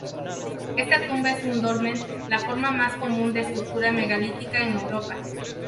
Esta tumba es un dolmen, la forma más común de estructura megalítica en Europa.